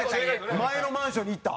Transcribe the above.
前のマンションに行った。